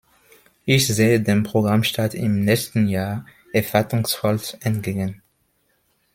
Ich sehe dem Programmstart im nächsten Jahr erwartungsvoll entgegen.